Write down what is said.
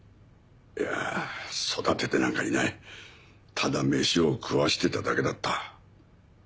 いや育ててなんかいないただ飯を食わせてただけだった。